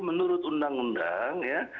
menurut undang undang ya